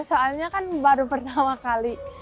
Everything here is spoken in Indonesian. soalnya kan baru pertama kali